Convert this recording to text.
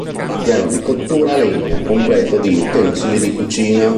Piano di cottura a legna, completo di utensili di cucina.